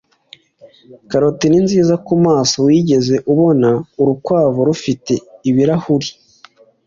karoti ni nziza kumaso. wigeze ubona urukwavu rufite ibirahuri? (westofeden